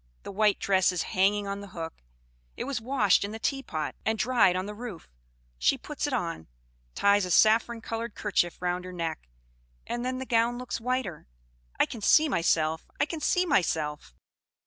The white dress is hanging on the hook; it was washed in the teapot, and dried on the roof. She puts it on, ties a saffron colored kerchief round her neck, and then the gown looks whiter. I can see myself I can see myself!"